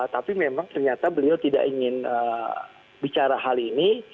tapi memang ternyata beliau tidak ingin bicara hal ini